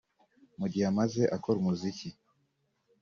mu gihe amaze akora umuziki